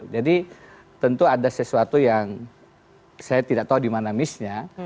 jadi tentu ada sesuatu yang saya tidak tahu di mana misnya